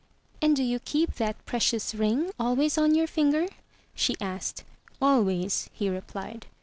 "And do you keep that precious ring always on your finger?" she asked. "Always!" he replied.